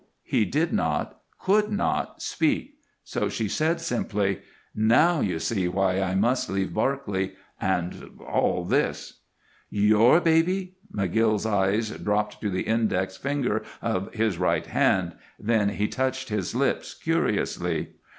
He did not could not speak, so she said, simply: "Now you see why I must leave Barclay, and all this." "Your baby!" McGill's eyes dropped to the index finger of his right hand, then he touched his lips curiously.